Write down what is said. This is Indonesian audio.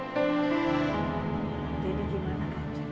jadi gimana kan ceng